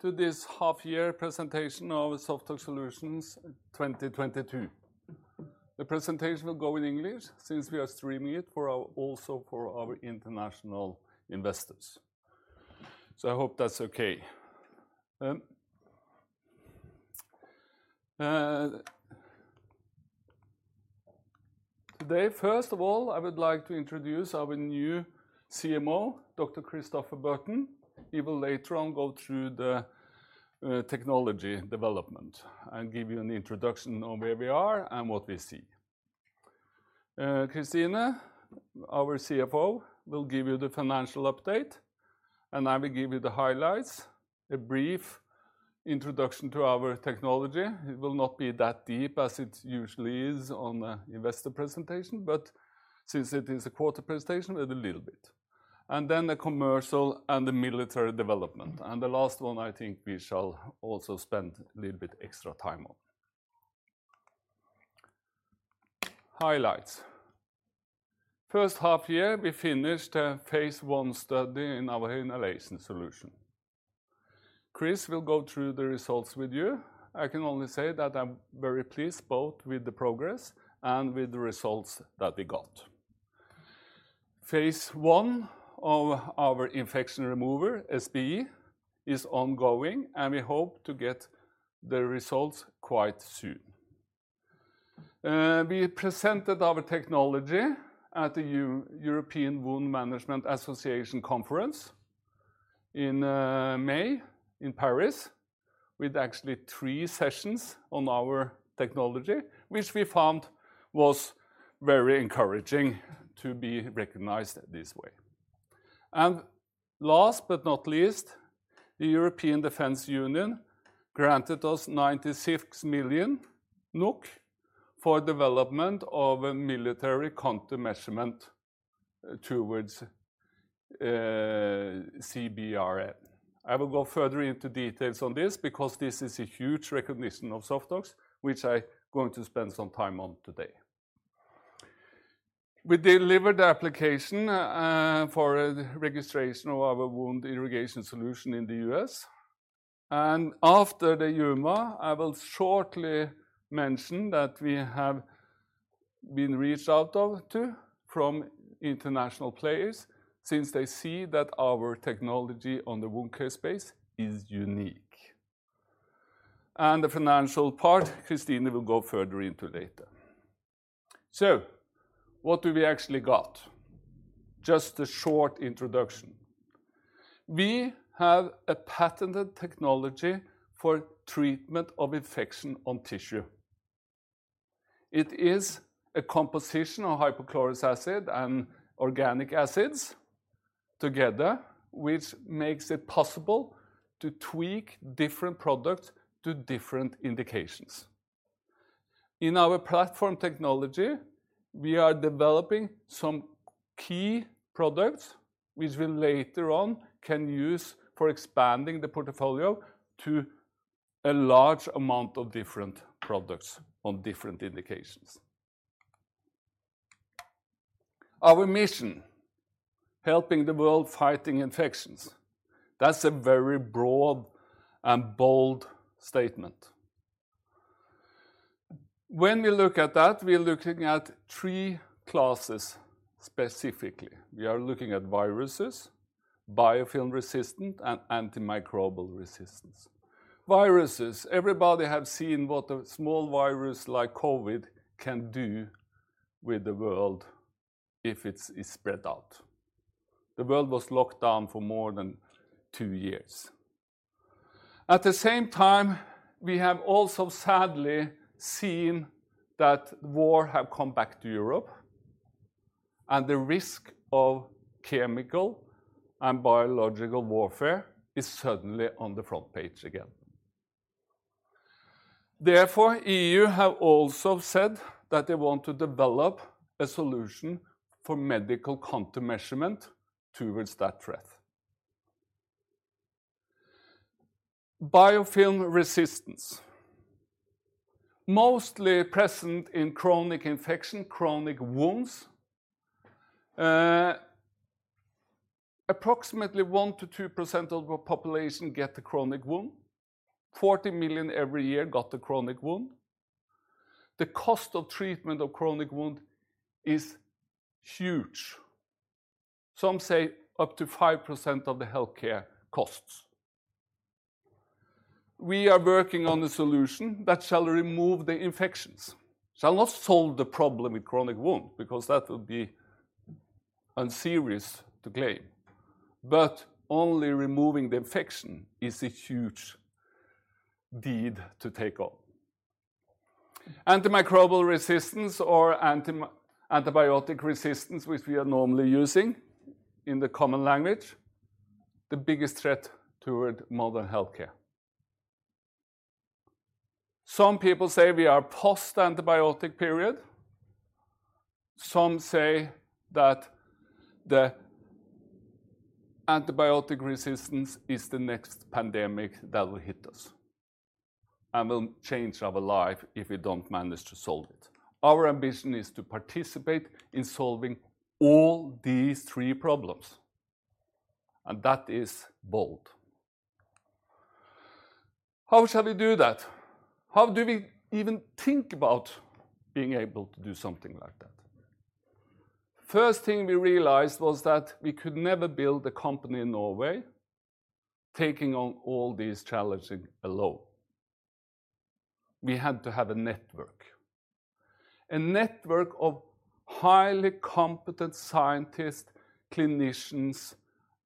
To this half-year presentation of SoftOx Solutions 2022. The presentation will go in English since we are streaming it for our international investors. I hope that's okay. Today, first of all, I would like to introduce our new CMO, Dr. Christopher Burton. He will later on go through the technology development and give you an introduction on where we are and what we see. Kristine, our CFO, will give you the financial update, and I will give you the highlights, a brief introduction to our technology. It will not be that deep as it usually is in an investor presentation, but since it is a quarter presentation, a little bit. The commercial and the military development. The last one, I think we shall also spend a little bit extra time on. Highlights. First half year, we finished a phase I study in our inhalation solution. Chris will go through the results with you. I can only say that I'm very pleased both with the progress and with the results that we got. Phase I of our infection remover, SBE, is ongoing, and we hope to get the results quite soon. We presented our technology at the European Wound Management Association conference in May in Paris with actually three sessions on our technology, which we found was very encouraging to be recognized this way. Last but not least, the European Defence Fund granted us 96 million NOK for development of a military countermeasure towards CBRN. I will go further into details on this because this is a huge recognition of SoftOx's, which I'm going to spend some time on today. We delivered the application for the registration of our wound irrigation solution in the U.S. After the EWMA, I will shortly mention that we have been reached out to by international players since they see that our technology on the wound care space is unique. The financial part, Kristine will go further into later. What do we actually got? Just a short introduction. We have a patented technology for treatment of infection on tissue. It is a composition of hypochlorous acid and organic acids together, which makes it possible to tweak different products to different indications. In our platform technology, we are developing some key products which we later on can use for expanding the portfolio to a large amount of different products on different indications. Our mission, helping the world fighting infections. That's a very broad and bold statement. When we look at that, we're looking at three classes specifically. We are looking at viruses, biofilm resistance, and antimicrobial resistance. Viruses, everybody has seen what a small virus like COVID can do with the world if it's spread out. The world was locked down for more than two years. At the same time, we have also sadly seen that war have come back to Europe, and the risk of chemical and biological warfare is suddenly on the front page again. Therefore, EU have also said that they want to develop a solution for medical countermeasure towards that threat. Biofilm resistance. Mostly present in chronic infection, chronic wounds. Approximately 1%-2% of the population get a chronic wound. 40 million every year got a chronic wound. The cost of treatment of chronic wound is huge. Some say up to 5% of the healthcare costs. We are working on the solution that shall remove the infections. Shall not solve the problem with chronic wound because that would be unserious to claim, but only removing the infection is a huge deed to take on. Antimicrobial resistance or antibiotic resistance, which we are normally using in the common language, the biggest threat toward modern healthcare. Some people say we are post-antibiotic period. Some say that the antibiotic resistance is the next pandemic that will hit us. Will change our life if we don't manage to solve it. Our ambition is to participate in solving all these three problems, and that is bold. How shall we do that? How do we even think about being able to do something like that? First thing we realized was that we could never build a company in Norway taking on all these challenges alone. We had to have a network, a network of highly competent scientists, clinicians,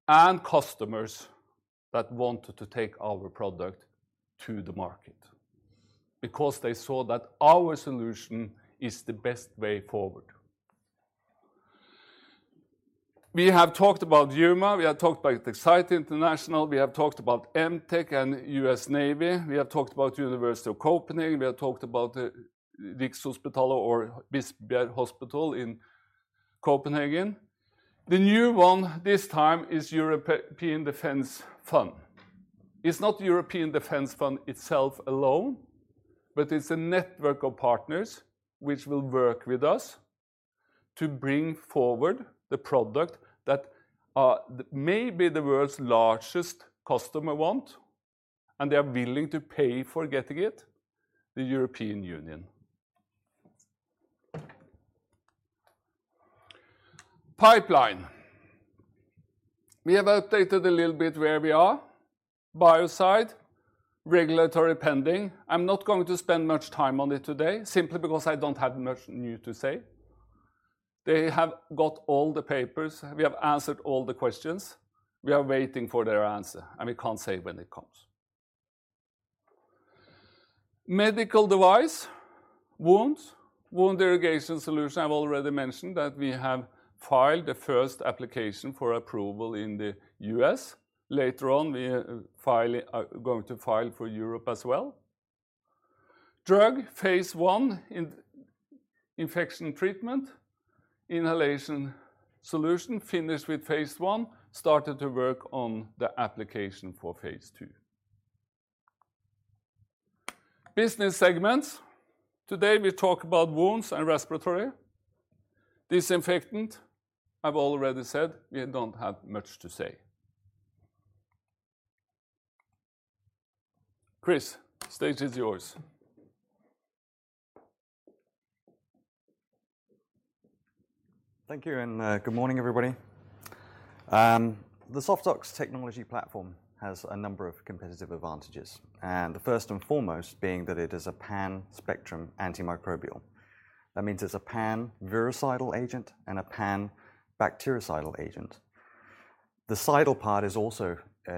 and customers that wanted to take our product to the market because they saw that our solution is the best way forward. We have talked about EWMA, we have talked about Excite International, we have talked about MTEC and US Navy, we have talked about University of Copenhagen, we have talked about the Rigshospitalet or Bispebjerg Hospital in Copenhagen. The new one this time is European Defence Fund. It's not European Defence Fund itself alone, but it's a network of partners which will work with us to bring forward the product that may be the world's largest customer want, and they are willing to pay for getting it, the European Union. Pipeline. We have updated a little bit where we are. Biocide, regulatory pending. I'm not going to spend much time on it today, simply because I don't have much new to say. They have got all the papers. We have answered all the questions. We are waiting for their answer, and we can't say when it comes. Medical device, wounds. Wound irrigation solution, I've already mentioned that we have filed the first application for approval in the U.S. Later on, we are going to file for Europe as well. Drug, phase I inhalation treatment. Inhalation solution, finished with phase I, started to work on the application for phase II. Business segments. Today, we talk about wounds and respiratory. Disinfectant, I've already said, we don't have much to say. Chris, stage is yours. Thank you, and good morning, everybody. The SoftOx technology platform has a number of competitive advantages, and the first and foremost being that it is a pan-spectrum antimicrobial. That means it's a pan-virucidal agent and a pan-bactericidal agent. The cidal part is also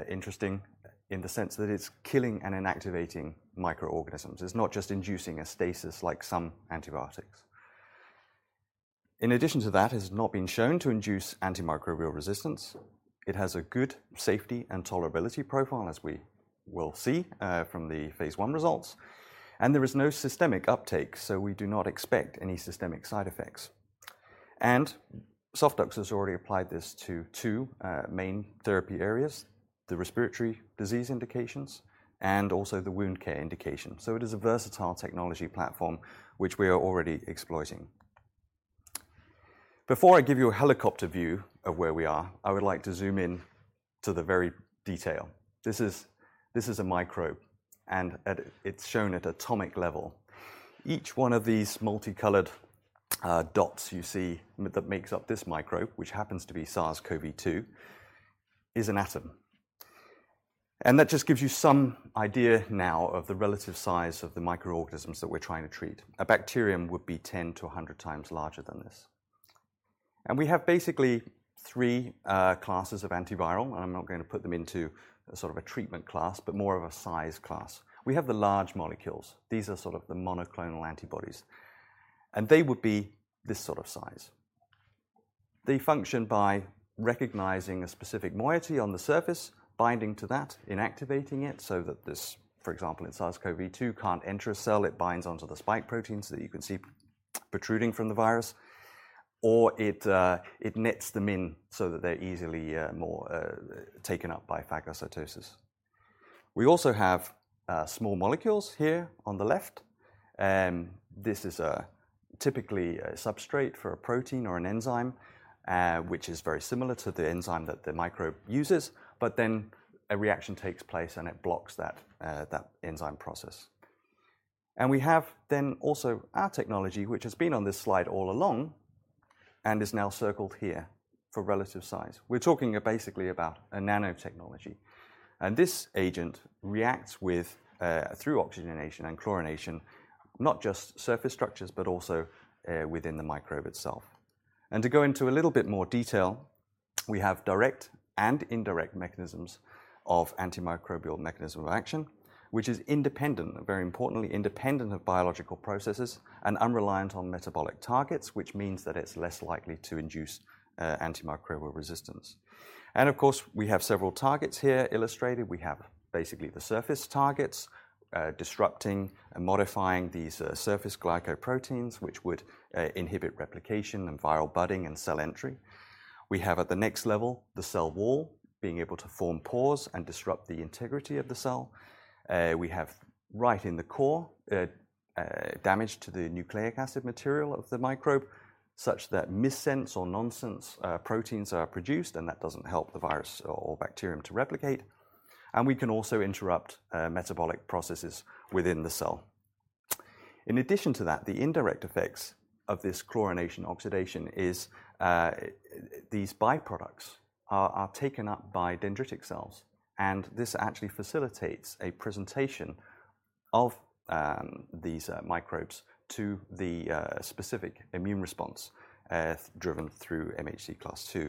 interesting in the sense that it's killing and inactivating microorganisms. It's not just inducing a stasis like some antibiotics. In addition to that, it has not been shown to induce antimicrobial resistance. It has a good safety and tolerability profile, as we will see from the phase I results, and there is no systemic uptake, so we do not expect any systemic side effects. SoftOx has already applied this to two main therapy areas, the respiratory disease indications and also the wound care indication. It is a versatile technology platform which we are already exploiting. Before I give you a helicopter view of where we are, I would like to zoom in to the very detail. This is a microbe, and it's shown at atomic level. Each one of these multicolored dots you see that makes up this microbe, which happens to be SARS-CoV-2, is an atom. That just gives you some idea now of the relative size of the microorganisms that we're trying to treat. A bacterium would be 10x to 100x times larger than this. We have basically three classes of antiviral, and I'm not going to put them into sort of a treatment class, but more of a size class. We have the large molecules. These are sort of the monoclonal antibodies, and they would be this sort of size. They function by recognizing a specific moiety on the surface, binding to that, inactivating it, so that this, for example, in SARS-CoV-2, can't enter a cell. It binds onto the spike proteins that you can see protruding from the virus, or it nets them in so that they're easily more taken up by phagocytosis. We also have small molecules here on the left, this is typically a substrate for a protein or an enzyme, which is very similar to the enzyme that the microbe uses, but then a reaction takes place, and it blocks that enzyme process. We have then also our technology, which has been on this slide all along and is now circled here for relative size. We're talking basically about a nanotechnology, and this agent reacts with through oxygenation and chlorination, not just surface structures, but also within the microbe itself. To go into a little bit more detail, we have direct and indirect mechanisms of antimicrobial mechanism of action, which is independent, very importantly, of biological processes and unreliant on metabolic targets, which means that it's less likely to induce antimicrobial resistance. Of course, we have several targets here illustrated. We have basically the surface targets disrupting and modifying these surface glycoproteins, which would inhibit replication and viral budding and cell entry. We have at the next level, the cell wall being able to form pores and disrupt the integrity of the cell. We have right in the core, damage to the nucleic acid material of the microbe, such that missense or nonsense proteins are produced, and that doesn't help the virus or bacterium to replicate. We can also interrupt metabolic processes within the cell. In addition to that, the indirect effects of this chlorination oxidation is these byproducts are taken up by dendritic cells, and this actually facilitates a presentation of these microbes to the specific immune response driven through MHC class II.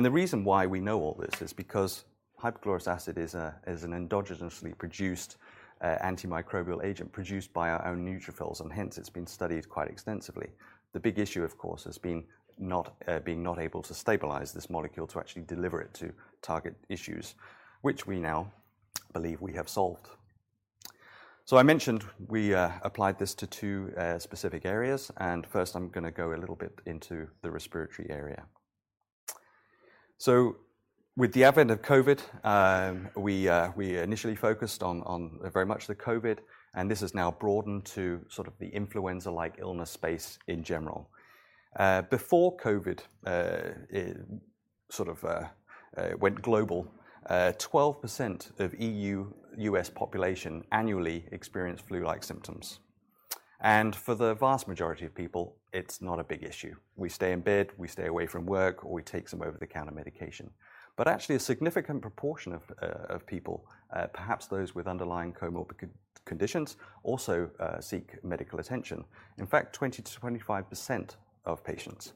The reason why we know all this is because hypochlorous acid is an endogenously produced antimicrobial agent produced by our own neutrophils, and hence, it's been studied quite extensively. The big issue, of course, has not been able to stabilize this molecule to actually deliver it to target tissues, which we now believe we have solved. I mentioned we applied this to two specific areas, and first, I'm gonna go a little bit into the respiratory area. With the advent of COVID, we initially focused on very much the COVID, and this has now broadened to sort of the influenza-like illness space in general. Before COVID, it sort of went global. 12% of EU/U.S. population annually experienced flu-like symptoms. For the vast majority of people, it's not a big issue. We stay in bed, we stay away from work, or we take some over-the-counter medication. Actually, a significant proportion of people, perhaps those with underlying comorbid conditions, also seek medical attention. In fact, 20% to 50% of patients.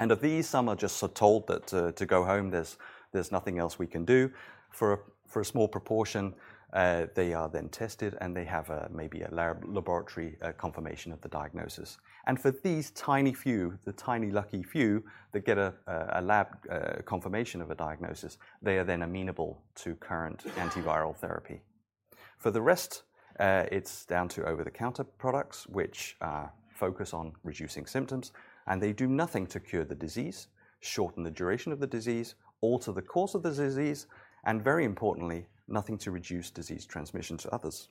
Of these, some are just told to go home, there's nothing else we can do. For a small proportion, they are then tested, and they have maybe a laboratory confirmation of the diagnosis. For these tiny few, the tiny lucky few that get a lab confirmation of a diagnosis, they are then amenable to current antiviral therapy. For the rest, it's down to over-the-counter products which focus on reducing symptoms, and they do nothing to cure the disease, shorten the duration of the disease, alter the course of the disease, and very importantly, nothing to reduce disease transmission to others.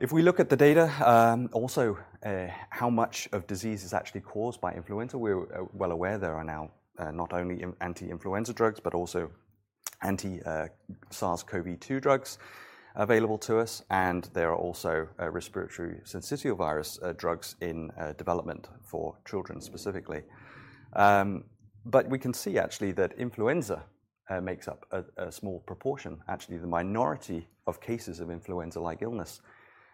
If we look at the data, also, how much of disease is actually caused by influenza, we're well aware there are now, not only in anti-influenza drugs, but also anti, SARS-CoV-2 drugs available to us, and there are also, respiratory syncytial virus, drugs in, development for children specifically. We can see actually that influenza, makes up a small proportion, actually the minority of cases of influenza-like illness.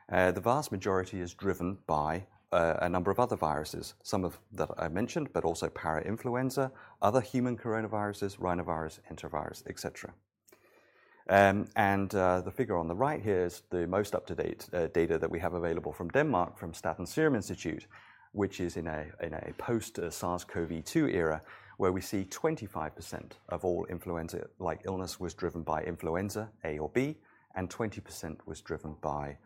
The vast majority is driven by a number of other viruses. Some of that I mentioned, but also parainfluenza, other human coronaviruses, rhinovirus, enterovirus, et cetera. The figure on the right here is the most up-to-date data that we have available from Denmark, from Statens Serum Institut, which is in a post-SARS-CoV-2 era, where we see 25% of all influenza-like illness was driven by influenza A or B, and 20% was driven by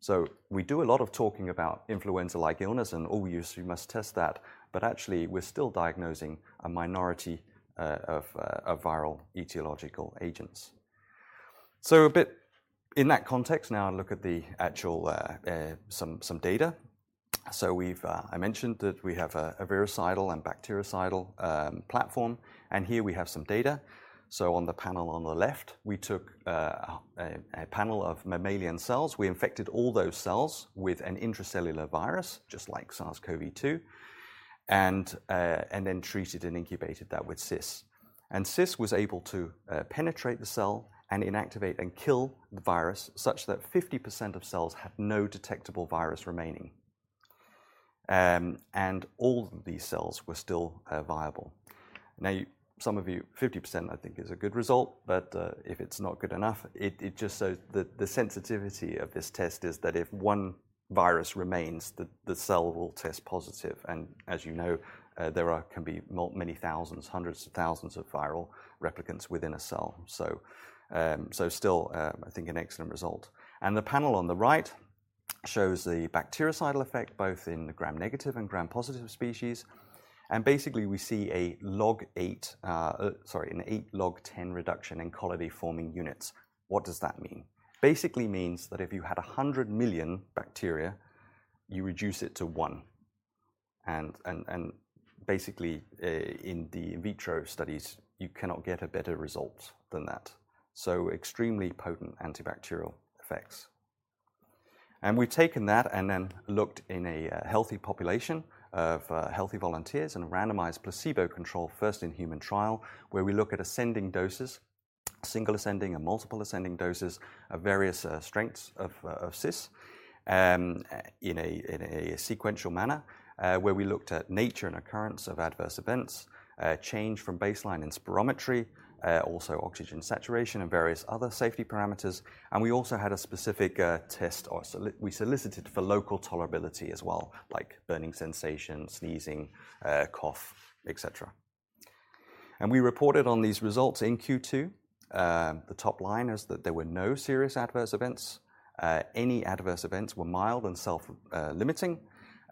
SARS-CoV-2. We do a lot of talking about influenza-like illness, and oh, you must test that, but actually, we're still diagnosing a minority of viral etiological agents. A bit in that context, now look at the actual some data. We've mentioned that we have a virucidal and bactericidal platform, and here we have some data. On the panel on the left, we took a panel of mammalian cells. We infected all those cells with an intracellular virus, just like SARS-CoV-2, and then treated and incubated that with SIS. SIS was able to penetrate the cell and inactivate and kill the virus such that 50% of cells had no detectable virus remaining. All these cells were still viable. Some of you, 50% I think is a good result, but if it's not good enough, the sensitivity of this test is that if one virus remains, the cell will test positive. As you know, there can be many thousands, hundreds of thousands of viral replicants within a cell. Still, I think an excellent result. The panel on the right shows the bactericidal effect both in the gram-negative and gram-positive species. Basically, we see an 8 log10 reduction in colony-forming units. What does that mean? Basically means that if you had 100 million bacteria, you reduce it to one. In the in vitro studies, you cannot get a better result than that. Extremely potent antibacterial effects. We've taken that and then looked in a healthy population of healthy volunteers in a randomized placebo control first in human trial, where we look at ascending doses, single ascending and multiple ascending doses of various strengths of SIS, in a sequential manner, where we looked at nature and occurrence of adverse events, change from baseline in spirometry, also oxygen saturation and various other safety parameters. We also had a specific test. We solicited for local tolerability as well, like burning sensation, sneezing, cough, et cetera. We reported on these results in Q2. The top line is that there were no serious adverse events. Any adverse events were mild and self-limiting.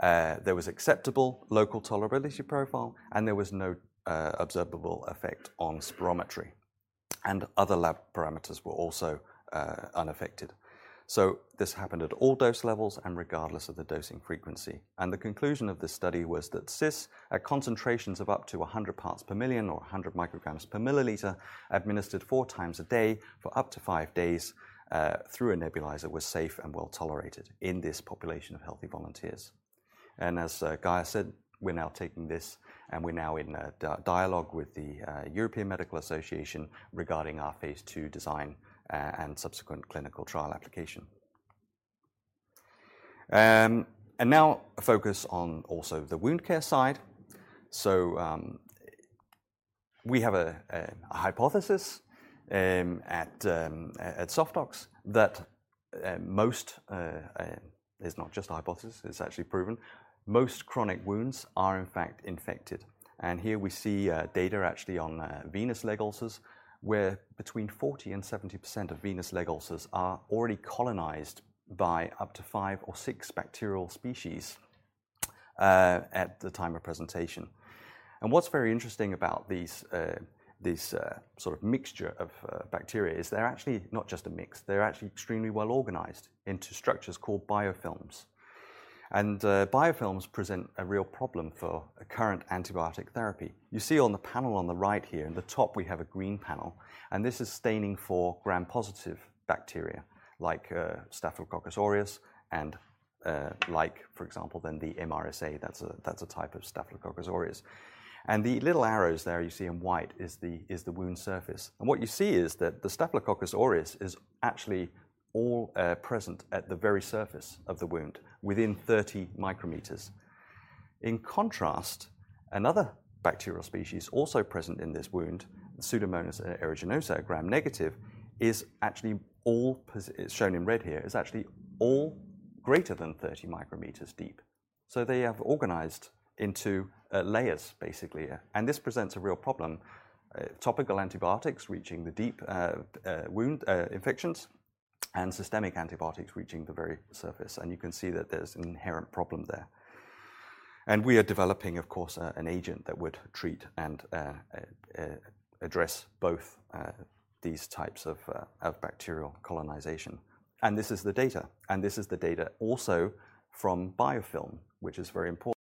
There was acceptable local tolerability profile, and there was no observable effect on spirometry. Other lab parameters were also unaffected. This happened at all dose levels and regardless of the dosing frequency. The conclusion of this study was that SIS at concentrations of up to 100 parts per million or 100 micrograms per milliliter, administered 4 times a day for up to five days, through a nebulizer, was safe and well-tolerated in this population of healthy volunteers. As Geir Almås said, we're now taking this, and we're now in a dialogue with the European Medicines Agency regarding our phase II design and subsequent clinical trial application. Now a focus on also the wound care side. We have a hypothesis at SoftOx that most chronic wounds are in fact infected. It's not just a hypothesis, it's actually proven. Most chronic wounds are in fact infected. Here we see data actually on venous leg ulcers, where between 40%-70% of venous leg ulcers are already colonized by up to five or six bacterial species at the time of presentation. What's very interesting about these, this sort of mixture of bacteria is they're actually not just a mix, they're actually extremely well organized into structures called biofilms. Biofilms present a real problem for current antibiotic therapy. You see on the panel on the right here, in the top we have a green panel, and this is staining for Gram-positive bacteria, like, Staphylococcus aureus and, like for example, then the MRSA, that's a type of Staphylococcus aureus. The little arrows there you see in white is the wound surface. What you see is that the Staphylococcus aureus is actually all present at the very surface of the wound, within 30 micrometers. In contrast, another bacterial species also present in this wound, Pseudomonas aeruginosa, Gram-negative, is actually all shown in red here, is actually all greater than 30 micrometers deep. They have organized into layers basically. This presents a real problem, topical antibiotics reaching the deep wound infections, and systemic antibiotics reaching the very surface, and you can see that there's an inherent problem there. We are developing, of course, an agent that would treat and address both these types of bacterial colonization. This is the data also from biofilm, which is very important.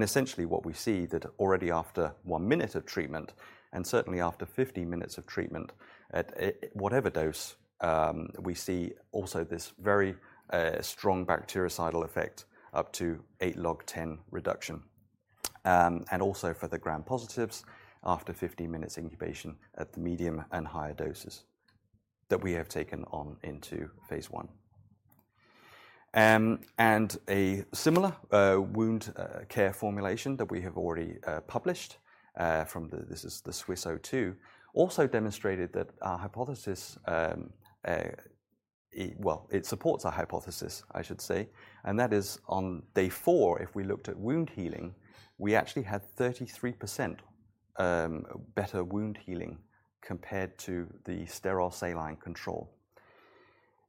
Essentially what we see that already after one minute of treatment, and certainly after 15 minutes of treatment, at whatever dose, we see also this very strong bactericidal effect, up to 8 log10 reduction. And also for the Gram-positives, after 15 minutes incubation at the medium and higher doses that we have taken on into phase I. A similar wound care formulation that we have already published from the SWIS-02 also demonstrated that our hypothesis, well, it supports our hypothesis, I should say. That is on day four, if we looked at wound healing, we actually had 33% better wound healing compared to the sterile saline control.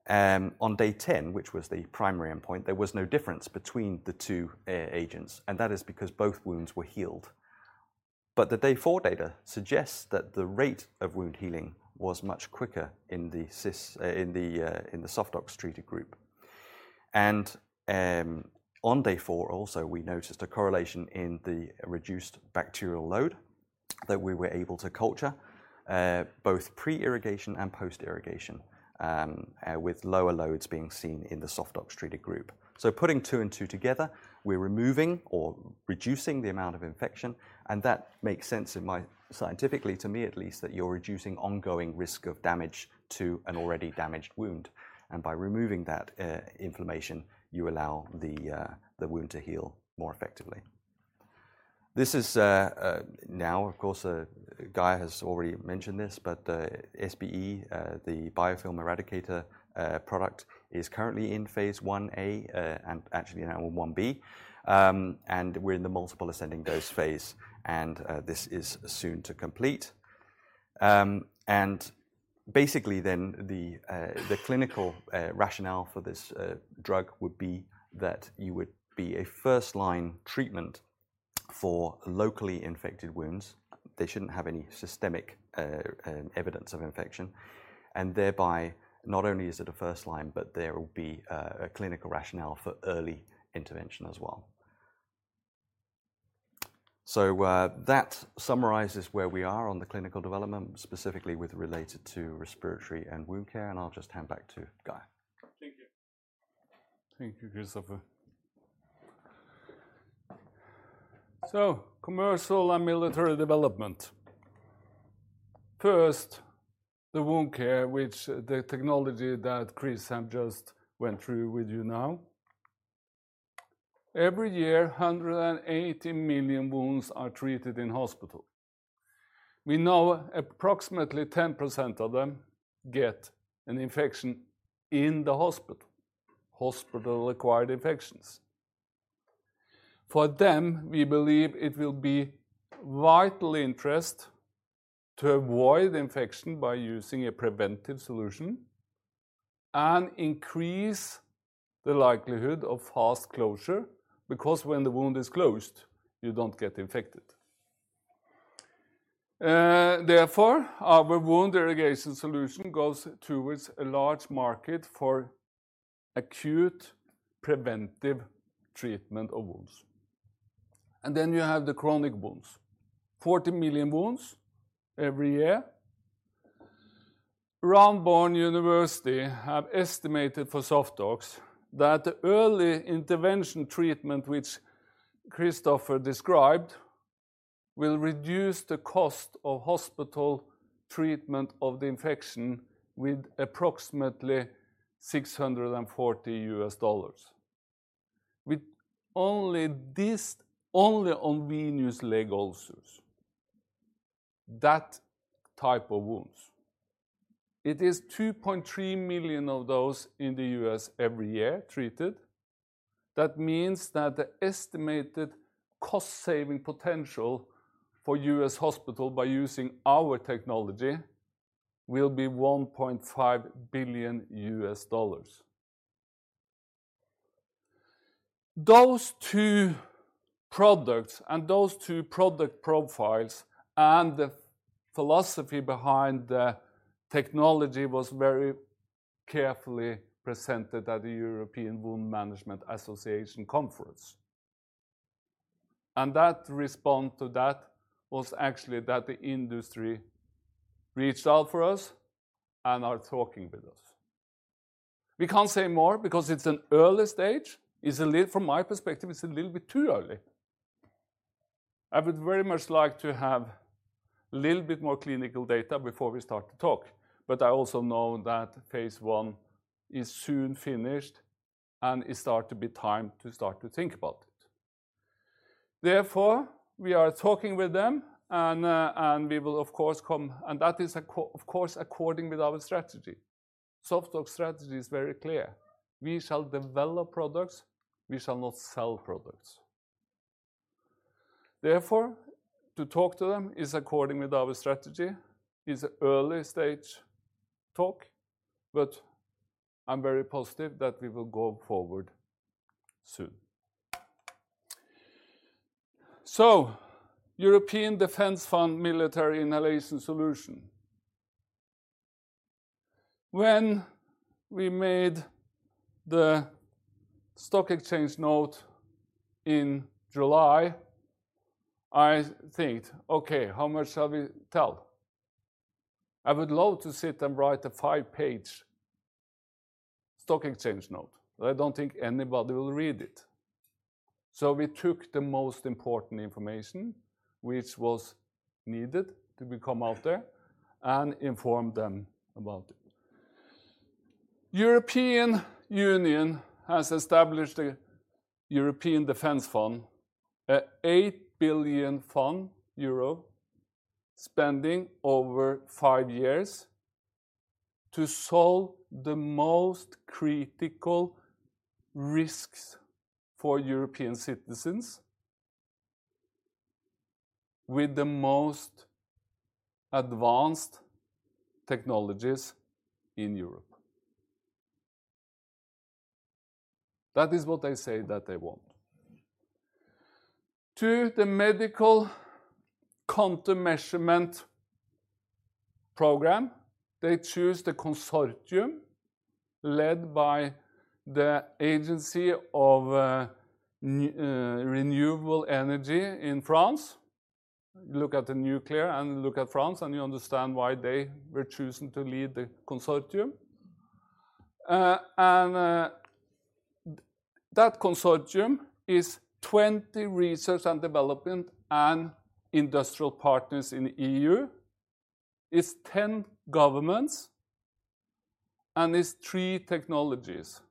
On day 10, which was the primary endpoint, there was no difference between the two agents, and that is because both wounds were healed. The day four data suggests that the rate of wound healing was much quicker in the SWIS, in the SoftOx treated group. On day four also, we noticed a correlation in the reduced bacterial load that we were able to culture, both pre-irrigation and post-irrigation, with lower loads being seen in the SoftOx treated group. Putting two and two together, we're removing or reducing the amount of infection, and that makes sense in my scientifically to me at least, that you're reducing ongoing risk of damage to an already damaged wound. By removing that inflammation, you allow the wound to heal more effectively. This is now, of course, Geir Almås has already mentioned this, but SBE, the Biofilm Eradicator product is currently in phase Ia, and actually now in Ib. We're in the multiple ascending dose phase, and this is soon to complete. Basically then the clinical rationale for this drug would be that you would be a first-line treatment for locally infected wounds. They shouldn't have any systemic evidence of infection. Thereby, not only is it a first-line, but there will be a clinical rationale for early intervention as well. That summarizes where we are on the clinical development, specifically with regard to respiratory and wound care, and I'll just hand back to Geir Almås. Thank you. Thank you, Christopher. Commercial and military development. First, the wound care, which the technology that Chris have just went through with you now. Every year, 180 million wounds are treated in hospital. We know approximately 10% of them get an infection in the hospital-acquired infections. For them, we believe it will be vital interest to avoid infection by using a preventive solution and increase the likelihood of fast closure, because when the wound is closed, you don't get infected. Therefore, our wound irrigation solution goes towards a large market for acute preventive treatment of wounds. You have the chronic wounds, 40 million wounds every year. Brown University have estimated for SoftOx that early intervention treatment which Christopher described will reduce the cost of hospital treatment of the infection with approximately $640. With only this, only on venous leg ulcers, that type of wounds. It is 2.3 million of those in the US every year treated. That means that the estimated cost-saving potential for US hospitals by using our technology will be $1.5 billion. Those two products and those two product profiles and the philosophy behind the technology were very carefully presented at the European Wound Management Association conference. The response to that was actually that the industry reached out for us and are talking with us. We can't say more because it's an early stage. From my perspective, it's a little bit too early. I would very much like to have a little bit more clinical data before we start to talk, but I also know that Phase I is soon finished, and it start to be time to start to think about it. Therefore, we are talking with them, and we will of course, and that is of course according with our strategy. SoftOx strategy is very clear. We shall develop products. We shall not sell products. Therefore, to talk to them is according with our strategy. It's early stage talk, but I'm very positive that we will go forward soon. European Defence Fund military inhalation solution. When we made the stock exchange note in July, I think, "Okay, how much shall we tell?" I would love to sit and write a five-page stock exchange note, but I don't think anybody will read it. We took the most important information which was needed to get out there and informed them about it. European Union has established a European Defence Fund, 8 billion euro fund spending over five years to solve the most critical risks for European citizens with the most advanced technologies in Europe. That is what they say that they want. To the medical countermeasure program, they choose the consortium led by the Agency of Renewable Energy in France. Look at the nuclear and look at France, and you understand why they were choosing to lead the consortium. That consortium is 20 research and development and industrial partners in EU. It's 10 governments, and it's three technologies,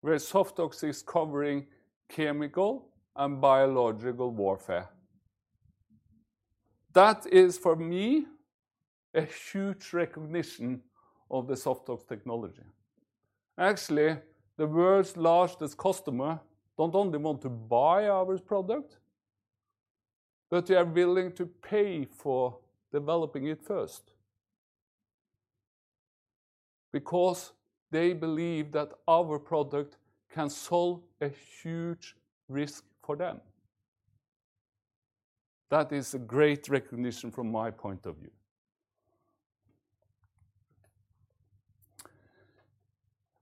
where SoftOx is covering chemical and biological warfare. That is, for me, a huge recognition of the SoftOx technology. Actually, the world's largest customer don't only want to buy our product, but they are willing to pay for developing it first because they believe that our product can solve a huge risk for them. That is a great recognition from my point of view.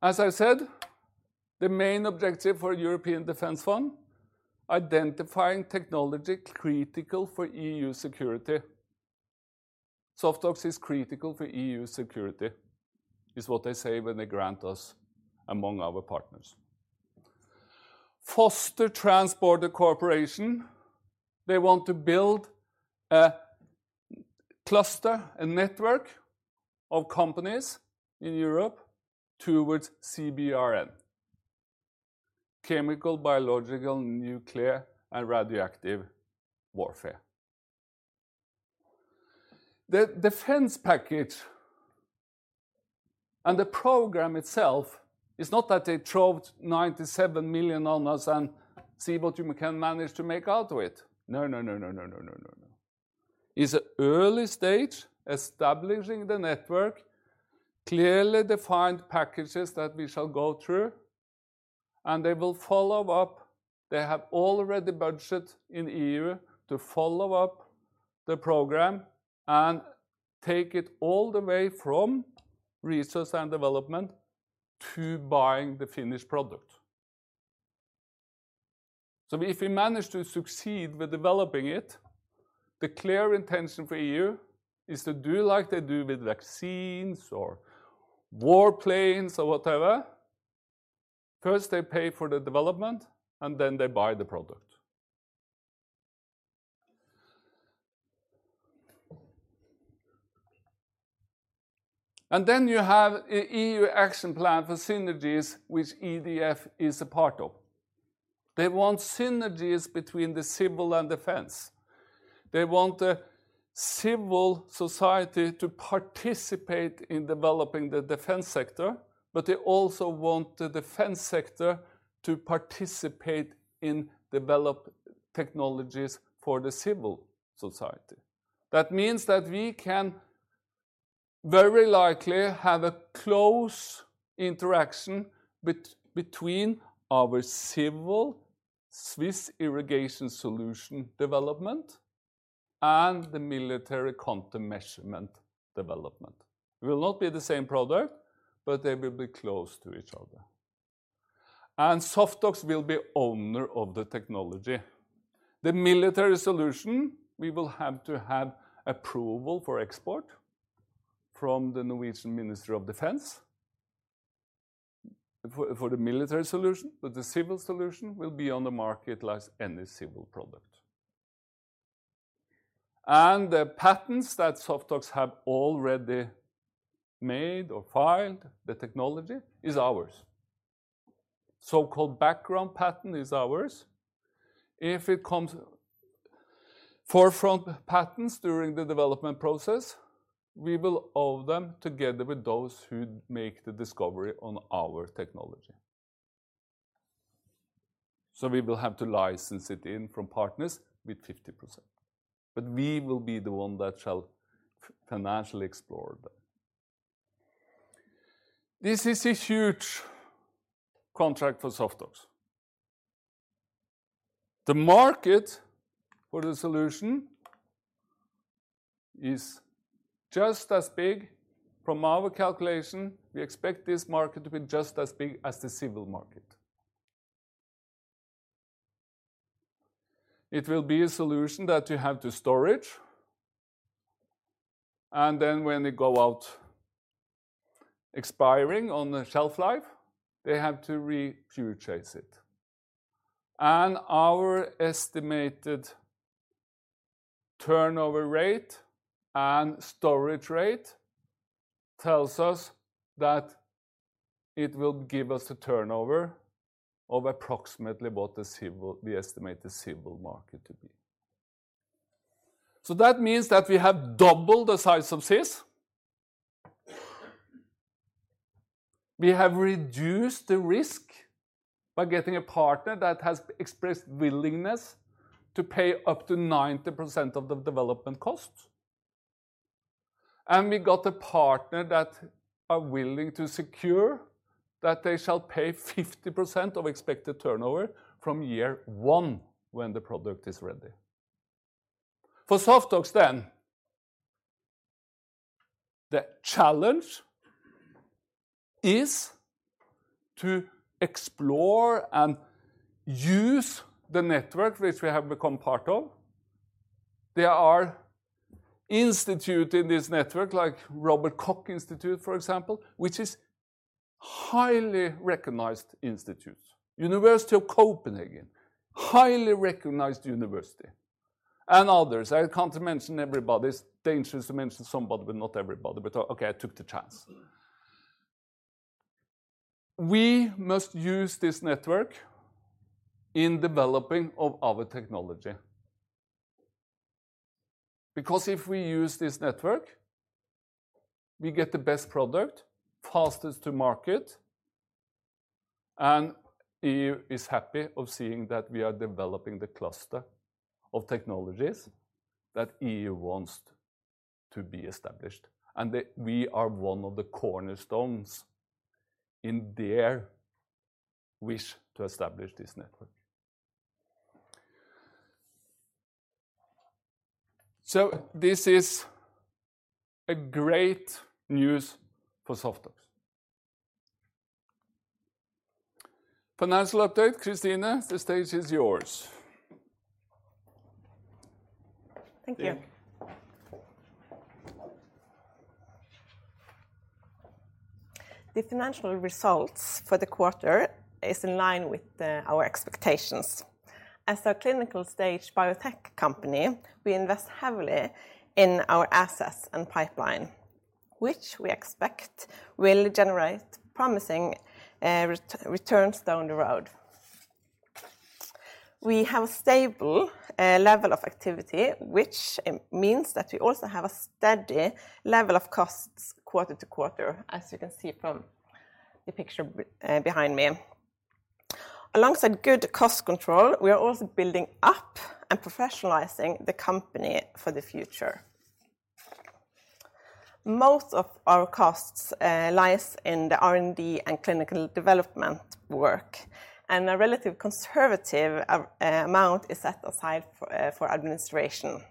As I said, the main objective for European Defence Fund, identifying technology critical for EU security. SoftOx is critical to EU security, is what they say when they grant us among our partners. Foster transborder cooperation. They want to build a cluster, a network of companies in Europe towards CBRN, chemical, biological, nuclear, and radioactive warfare. The defense package and the program itself is not that they throw 97 million on us and see what you can manage to make out of it. No. It's an early stage establishing the network, clearly defined packages that we shall go through, and they will follow up. They have already budget in EU to follow up the program and take it all the way from research and development to buying the finished product. If we manage to succeed with developing it, the clear intention for EU is to do like they do with vaccines or warplanes or whatever. First, they pay for the development, and then they buy the product. Then you have EU action plan for synergies, which EDF is a part of. They want synergies between the civil and defense. They want the civil society to participate in developing the defense sector, but they also want the defense sector to participate in develop technologies for the civil society. That means that we can very likely have a close interaction between our civil SWIS irrigation solution development and the military countermeasure development. It will not be the same product, but they will be close to each other. SoftOx will be owner of the technology. The military solution, we will have to have approval for export from the Norwegian Ministry of Defence for the military solution, but the civil solution will be on the market like any civil product. The patents that SoftOx have already made or filed, the technology is ours. So-called background patent is ours. If it comes foreground patents during the development process, we will own them together with those who make the discovery on our technology. We will have to license it in from partners with 50%, but we will be the one that shall financially exploit that. This is a huge contract for SoftOx. The market for the solution is just as big. From our calculation, we expect this market to be just as big as the civil market. It will be a solution that you have to store. When they expire on the shelf life, they have to repurchase it. Our estimated turnover rate and storage rate tells us that it will give us a turnover of approximately what we estimate the civil market to be. That means that we have doubled the size of SIS. We have reduced the risk by getting a partner that has expressed willingness to pay up to 90% of the development cost. We got a partner that are willing to secure that they shall pay 50% of expected turnover from year one when the product is ready. For SoftOx then, the challenge is to explore and use the network which we have become part of. There are institutes in this network like Robert Koch Institute, for example, which is highly recognized institute. University of Copenhagen, highly recognized university. Others. I can't mention everybody. It's dangerous to mention somebody but not everybody. Okay, I took the chance. We must use this network in developing of our technology. Because if we use this network, we get the best product, fastest to market. EU is happy of seeing that we are developing the cluster of technologies that EU wants to be established. We are one of the cornerstones in their wish to establish this network. This is a great news for SoftOx. Financial update, Kristine, the stage is yours. Thank you. The financial results for the quarter is in line with our expectations. As a clinical stage biotech company, we invest heavily in our assets and pipeline, which we expect will generate promising returns down the road. We have a stable level of activity, which means that we also have a steady level of costs quarter to quarter, as you can see from the picture behind me. Alongside good cost control, we are also building up and professionalizing the company for the future. Most of our costs lies in the R&D and clinical development work, and a relatively conservative amount is set aside for administration.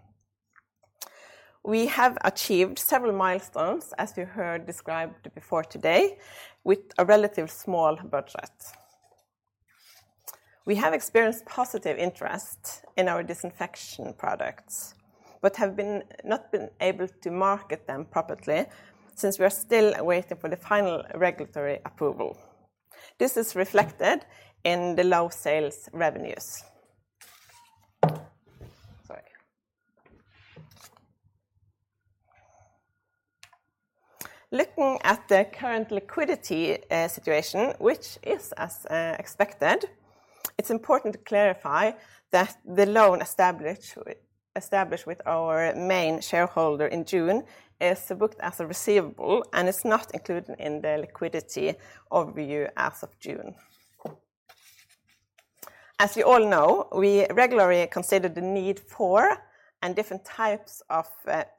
We have achieved several milestones, as you heard described before today, with a relatively small budget. We have experienced positive interest in our disinfection products, but have not been able to market them properly since we are still waiting for the final regulatory approval. This is reflected in the low sales revenues. Sorry. Looking at the current liquidity situation, which is as expected, it's important to clarify that the loan established with our main shareholder in June is booked as a receivable, and it's not included in the liquidity overview as of June. As you all know, we regularly consider the need for and different types of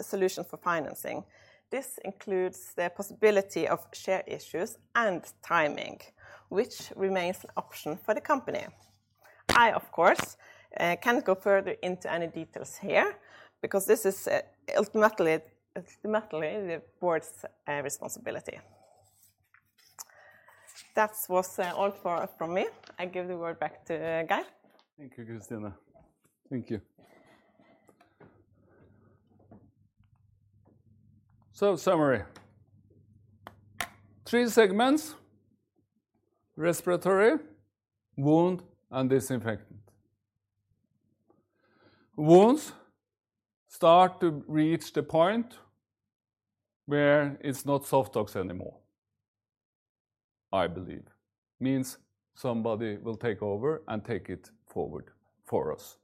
solutions for financing. This includes the possibility of share issues and timing, which remains an option for the company. I, of course, can't go further into any details here because this is ultimately the board's responsibility. That was all from me. I give the word back to Geir. Thank you, Kristine. Thank you. Summary. Three segments, respiratory, wound, and disinfectant. Wounds start to reach the point where it's not SoftOx anymore, I believe. Means somebody will take over and take it forward for us.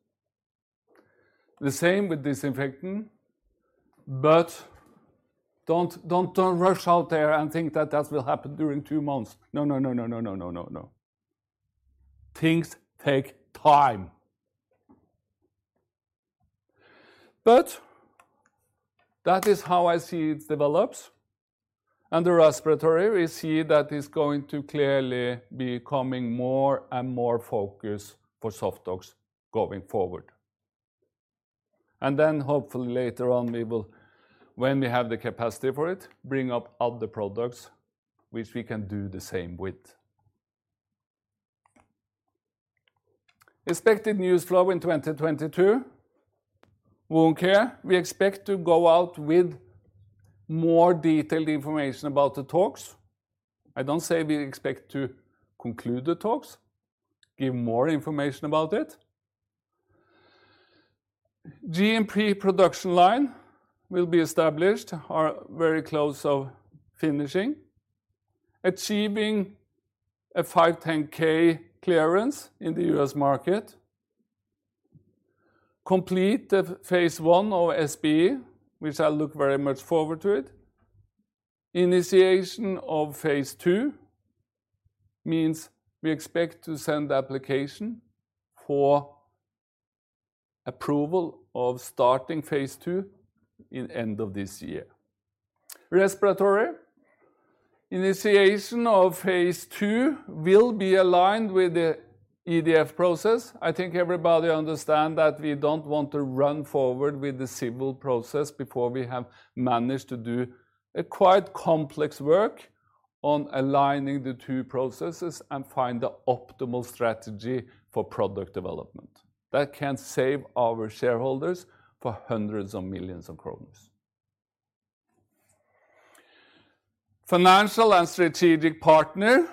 The same with disinfectant, but don't rush out there and think that that will happen during two months. No. Things take time. That is how I see it develops. Under respiratory, we see that it's going to clearly becoming more and more focus for SoftOx going forward. Then hopefully later on, we will, when we have the capacity for it, bring up other products which we can do the same with. Expected news flow in 2022. Wound care, we expect to go out with more detailed information about the talks. I can say we expect to conclude the talks, give more information about it. GMP production line will be established. We are very close to finishing. Achieving a 510(k) clearance in the U.S. market. Complete the phase I of SBE, which I look very much forward to it. Initiation of phase II means we expect to send application for approval of starting phase II at end of this year. Respiratory, initiation of phase II will be aligned with the EDF process. I think everybody understands that we don't want to run forward with the civil process before we have managed to do a quite complex work on aligning the two processes and find the optimal strategy for product development. That can save our shareholders from hundreds of millions of NOK. Financial and strategic partner,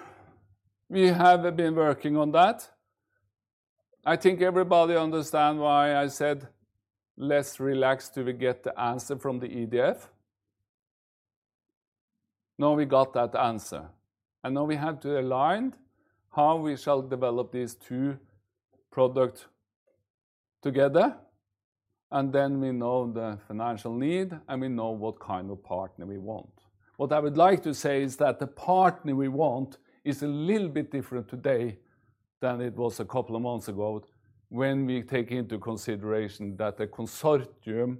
we have been working on that. I think everybody understands why I said, "Less relaxed till we get the answer from the EDF." Now we got that answer, and now we have to align how we shall develop these two product together, and then we know the financial need, and we know what kind of partner we want. What I would like to say is that the partner we want is a little bit different today than it was a couple of months ago, when we take into consideration that the consortium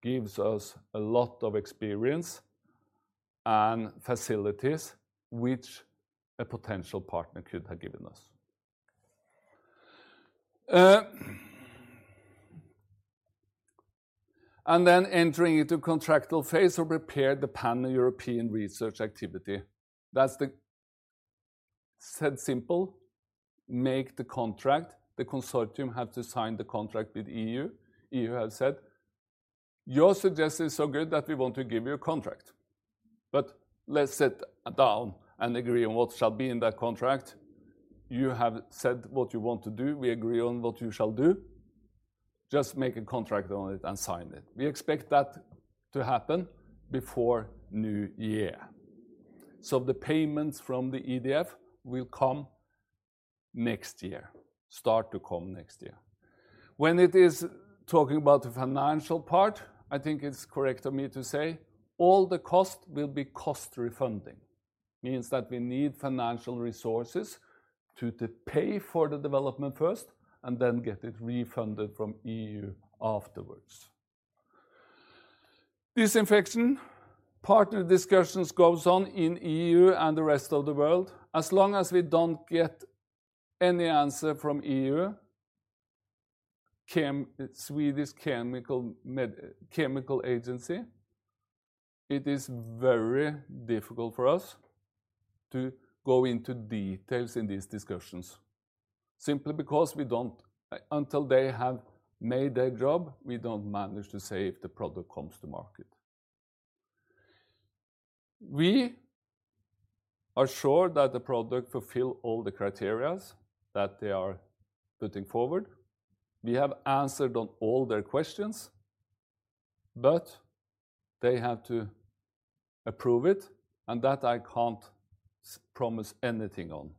gives us a lot of experience and facilities which a potential partner could have given us. Entering into contractual phase or prepare the Pan-European research activity. Simply said, make the contract. The consortium have to sign the contract with EU. EU has said, "Your suggestion is so good that we want to give you a contract, but let's sit down and agree on what shall be in that contract. You have said what you want to do. We agree on what you shall do. Just make a contract on it and sign it." We expect that to happen before New Year. The payments from the EDF will come next year, start to come next year. When it is talking about the financial part, I think it's correct of me to say all the cost will be cost refunding. Means that we need financial resources to pay for the development first and then get it refunded from EU afterwards. Disinfection. Partner discussions goes on in EU and the rest of the world. As long as we don't get any answer from the Swedish Chemicals Agency, it is very difficult for us to go into details in these discussions. Simply because until they have done their job, we don't manage to say if the product comes to market. We are sure that the product fulfill all the criteria that they are putting forward. We have answered on all their questions, but they have to approve it, and that I can't promise anything on,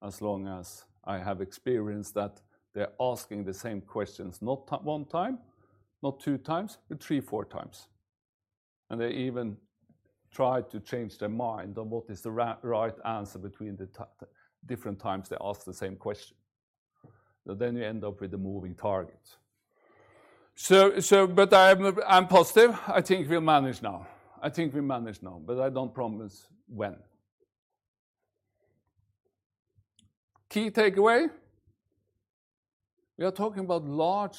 as long as I have experienced that they're asking the same questions not one time, not two times, but three, four times. They even try to change their mind on what is the right answer between the different times they ask the same question. Then you end up with a moving target. I'm positive. I think we manage now, but I don't promise when. Key takeaway. We are talking about large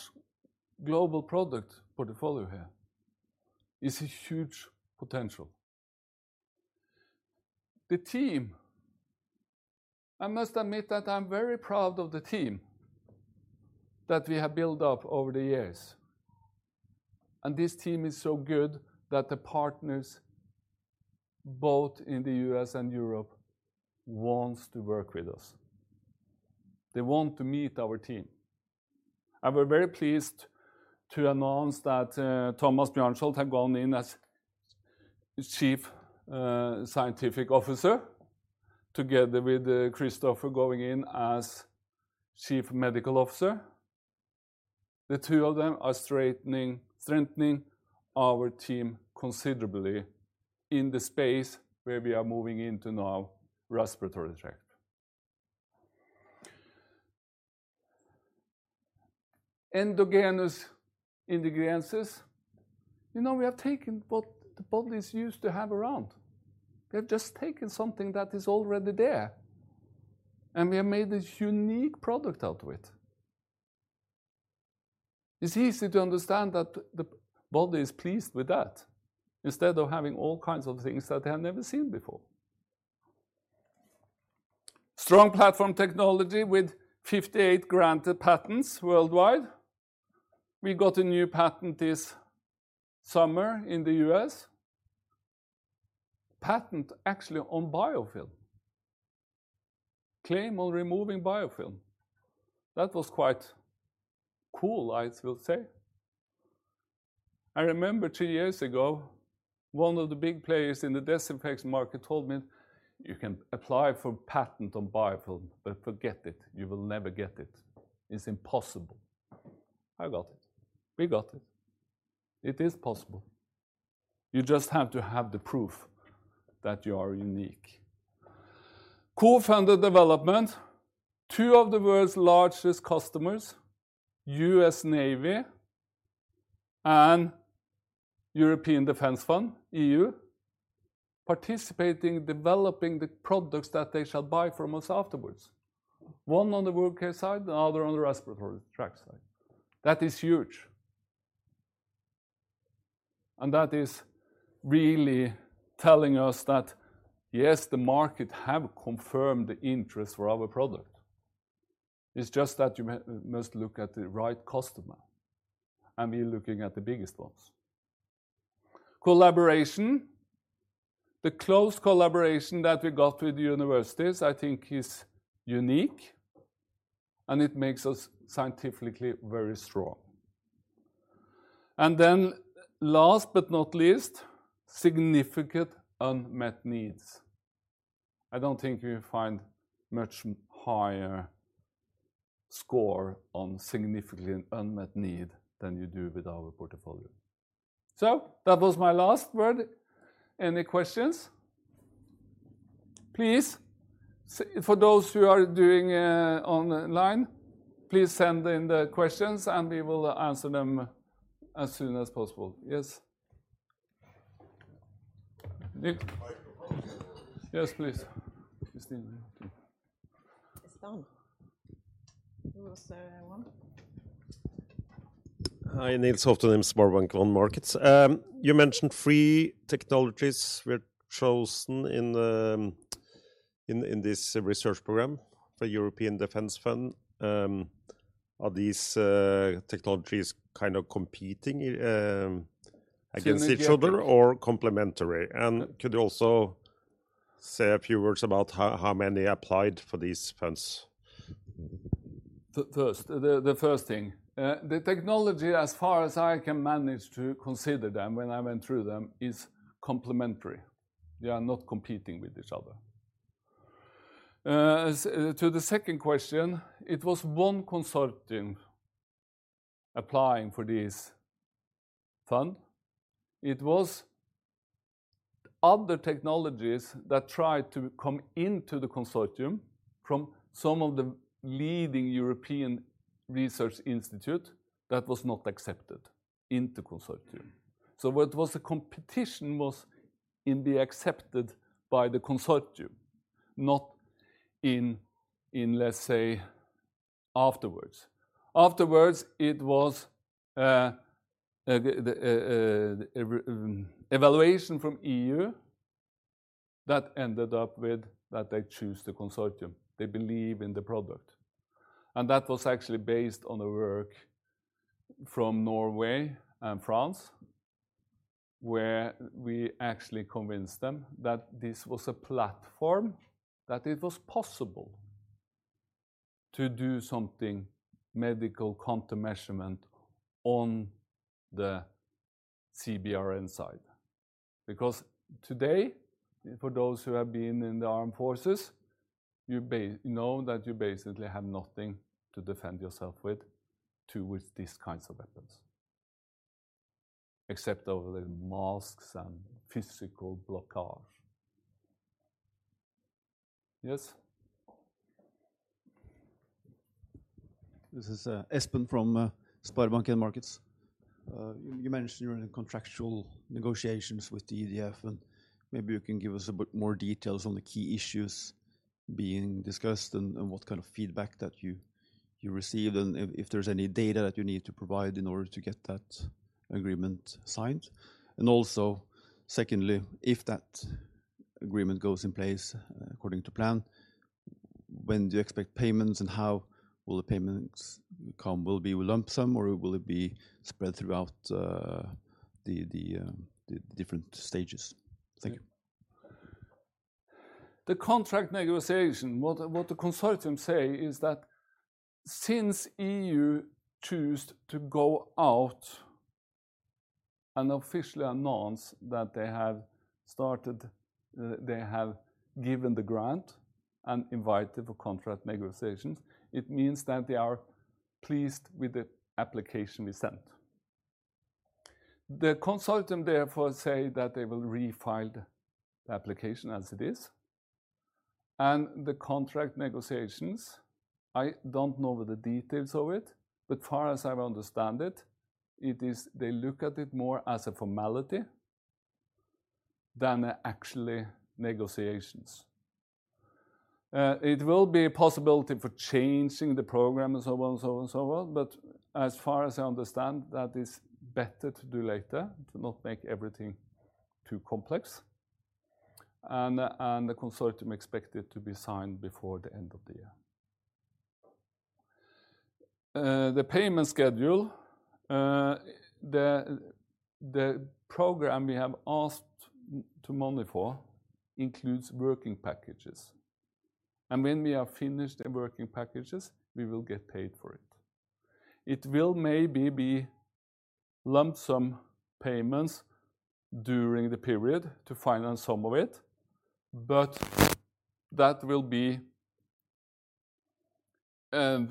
global product portfolio here. This is huge potential. The team, I must admit that I'm very proud of the team that we have built up over the years, and this team is so good that the partners, both in the U.S. and Europe, wants to work with us. They want to meet our team. We're very pleased to announce that, Thomas Bjarnsholt have gone in as Chief Scientific Officer, together with Christopher going in as Chief Medical Officer. The two of them are strengthening our team considerably in the space where we are moving into now, respiratory tract. Endogenous ingredients. You know, we have taken what the body's used to have around. We have just taken something that is already there, and we have made this unique product out of it. It's easy to understand that the body is pleased with that, instead of having all kinds of things that they have never seen before. Strong platform technology with 58 granted patents worldwide. We got a new patent this summer in the U.S. Patent actually on biofilm. Claim on removing biofilm. That was quite cool, I will say. I remember two years ago, one of the big players in the disinfectants market told me, "You can apply for patent on biofilm, but forget it. You will never get it. It's impossible." I got it. We got it. It is possible. You just have to have the proof that you are unique. Co-funded development. Two of the world's largest customers, US Navy and European Defense Fund, EU, participating, developing the products that they shall buy from us afterwards. One on the wound care side, the other on the respiratory tract side. That is huge. That is really telling us that, yes, the market have confirmed the interest for our product. It's just that you must look at the right customer, and we're looking at the biggest ones. Collaboration. The close collaboration that we got with universities I think is unique, and it makes us scientifically very strong. Then last but not least, significant unmet needs. I don't think you find much higher score on significant unmet need than you do with our portfolio. That was my last word. Any questions? Please, for those who are doing online, please send in the questions, and we will answer them as soon as possible. Yes. Nils Holten. Yes, please. Kristine Rød. It's done. Who was one? Hi, Nils Holten with SpareBank 1 Markets. You mentioned three technologies were chosen in this research program for European Defence Fund. Are these technologies kind of competing against each other? Significantly- or complementary? Could you also say a few words about how many applied for these funds? First, the first thing, the technology as far as I can manage to consider them when I went through them is complementary. They are not competing with each other. To the second question, it was one consortium applying for this fund. It was other technologies that tried to come into the consortium from some of the leading European research institutes that were not accepted into the consortium. What was the competition was in being accepted by the consortium, not in, let's say, afterwards. Afterwards, it was the evaluation from EU that ended up with that they choose the consortium. They believe in the product. That was actually based on the work from Norway and France, where we actually convinced them that this was a platform, that it was possible to do something medical countermeasure on the CBRN side. Because today, for those who have been in the armed forces, you know that you basically have nothing to defend yourself with with these kinds of weapons, except of the masks and physical blockage. Yes. This is Espen from SpareBank 1 Markets. You mentioned you're in contractual negotiations with the EDF, and maybe you can give us a bit more details on the key issues being discussed and what kind of feedback that you received, and if there's any data that you need to provide in order to get that agreement signed. Also, secondly, if that agreement goes in place according to plan, when do you expect payments, and how will the payments come? Will it be with lump sum, or will it be spread throughout the different stages? Thank you. The contract negotiation, the consortium say is that since EU choose to go out and officially announce that they have started, they have given the grant and invited for contract negotiations, it means that they are pleased with the application we sent. The consortium therefore say that they will refile the application as it is. The contract negotiations, I don't know the details of it, but as far as I understand it is they look at it more as a formality than actual negotiations. It will be a possibility for changing the program and so on, but as far as I understand, that is better to do later to not make everything too complex. The consortium expect it to be signed before the end of the year. The payment schedule, the program we have asked for money for includes work packages. When we are finished the work packages, we will get paid for it. It will maybe be lump sum payments during the period to finance some of it, but that will be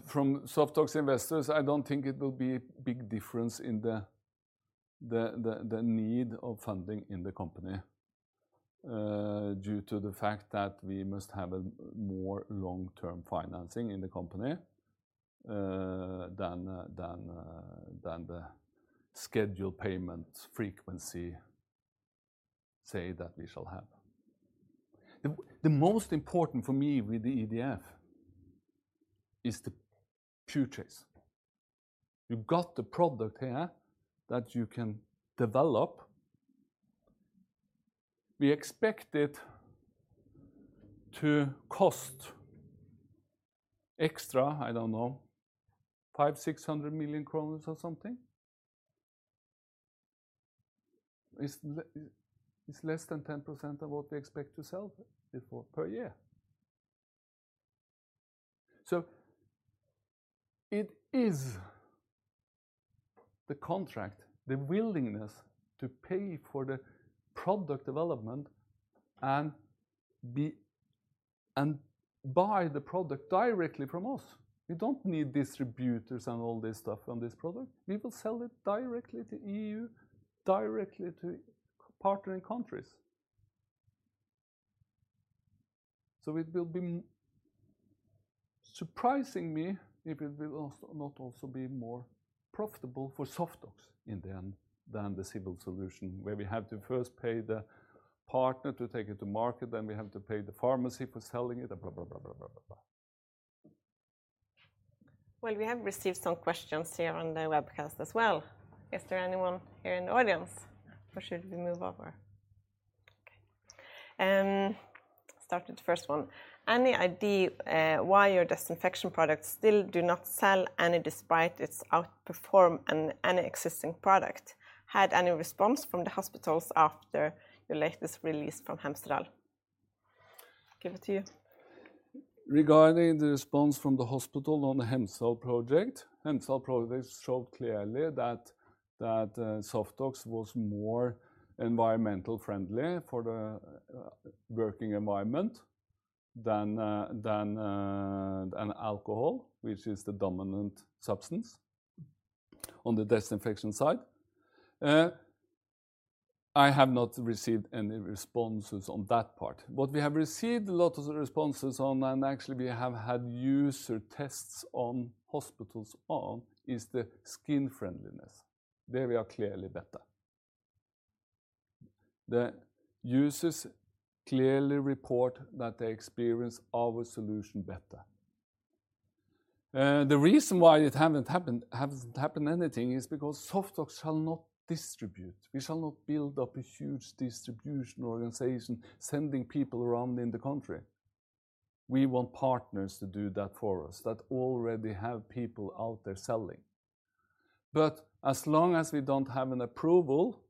from SoftOx investors. I don't think it will be big difference in the need of funding in the company due to the fact that we must have a more long-term financing in the company than the scheduled payments frequency say that we shall have. The most important for me with the EDF is the purchase. You've got the product here that you can develop. We expect it to cost extra, I don't know, 500-600 million or something. It's less than 10% of what we expect to sell before per year. It is the contract, the willingness to pay for the product development and buy the product directly from us. We don't need distributors and all this stuff on this product. We will sell it directly to the EU, directly to partnering countries. It will surprise me if it will also not be more profitable for SoftOx in the end than the civil solution, where we have to first pay the partner to take it to market, then we have to pay the pharmacy for selling it and blah, blah, blah, blah. Well, we have received some questions here on the webcast as well. Is there anyone here in the audience, or should we move over? Okay. Start with the first one. Any idea why your disinfection products still do not sell any despite its outperforming any existing product? Had any response from the hospitals after your latest results from Hemsedal? Give it to you. Regarding the response from the hospital on the Hemsedal project, Hemsedal project showed clearly that SoftOx was more environmentally friendly for the working environment than an alcohol, which is the dominant substance on the disinfection side. I have not received any responses on that part. What we have received a lot of responses on, and actually we have had user tests in hospitals on, is the skin friendliness. There we are clearly better. The users clearly report that they experience our solution better. The reason why it hasn't happened anything is because SoftOx shall not distribute. We shall not build up a huge distribution organization sending people around in the country. We want partners to do that for us that already have people out there selling. As long as we don't have an approval,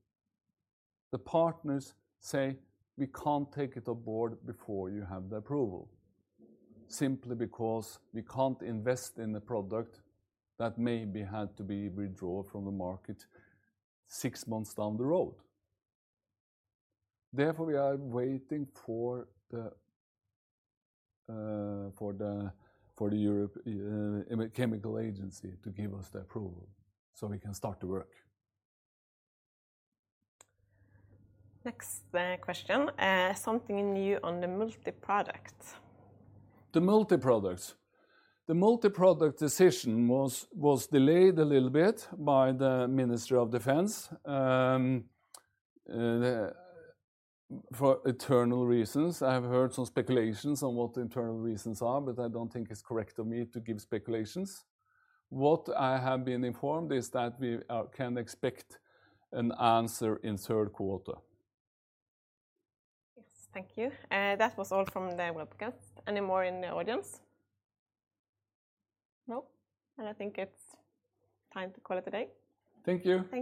the partners say, "We can't take it aboard before you have the approval, simply because we can't invest in a product that may be had to be withdrawn from the market six months down the road." Therefore, we are waiting for the European Chemicals Agency to give us the approval so we can start to work. Next, question. Something new on the multi-products. The multi-products. The multi-product decision was delayed a little bit by the Ministry of Defense for internal reasons. I have heard some speculations on what the internal reasons are, but I don't think it's correct of me to give speculations. What I have been informed is that we can expect an answer in third quarter. Yes. Thank you. That was all from the webcast. Any more in the audience? No. Then I think it's time to call it a day. Thank you.